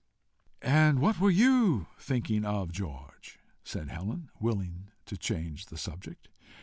"And what were you thinking of, George?" said Helen, willing to change the subject.